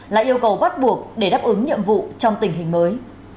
là yêu cầu bắt buộc để đáp ứng nhiệm vụ trong tình hình mới